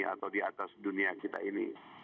atau di atas dunia kita ini